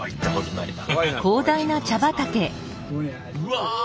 うわ！